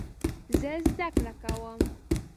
زه زده کړه کوم